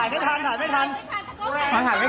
เดี๋ยวถ่ายถ่ายไม่ทันถ่ายไม่ทันถ่ายไม่ทัน